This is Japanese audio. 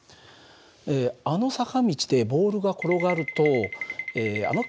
あの坂道でボールが転がるとあの傾斜ならね